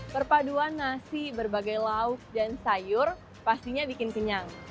perpaduan nasi berbagai lauk dan sayur pastinya bikin kenyang